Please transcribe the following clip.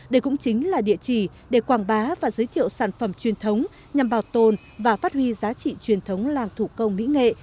đây cũng chính là địa chỉ để quảng bá và giới thiệu sản phẩm truyền thống nhằm bảo tồn và phát huy giá trị truyền thống làng thủ công mỹ nghệ